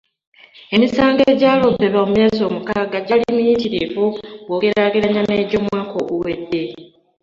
Emisango egyaloopebwa mu myezi omukaaga gyali miyitirivu bw'ogeraageranya n'egy'omwaka oguwedde.